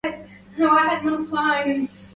كان سامي أشرس مفترسي الشّوارع.